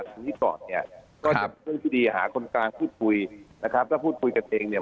ทีนี้ก่อนเนี่ยก็จะเป็นเรื่องที่ดีหาคนกลางพูดคุยนะครับแล้วพูดคุยกันเองเนี่ย